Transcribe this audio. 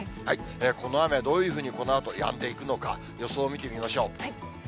この雨、どういうふうにこのあとやんでいくのか、予想を見てみましょう。